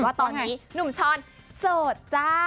ว่าตอนนี้หนุ่มช้อนโสดจ้า